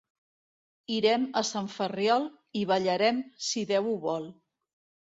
Irem a Sant Ferriol, i ballarem, si Déu ho vol.